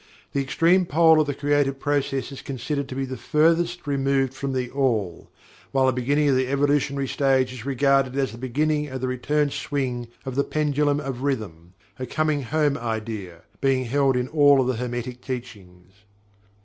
The extreme pole of the Creative process is considered to be the furthest removed from THE ALL, while the beginning of the Evolutionary stage is regarded as the beginning of the return swing of the pendulum of Rhythm a "coming home" idea being held in all of the Hermetic Teachings.